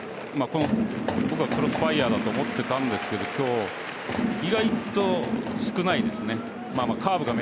僕はクロスファイヤーだと思ってたんですけど今日は意外と少ないですね。